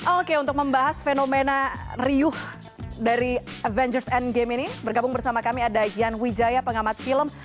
oke untuk membahas fenomena riuh dari avengers endgame ini bergabung bersama kami ada yan wijaya pengamat film